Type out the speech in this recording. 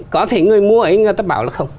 có thể người mua ấy người ta bảo là không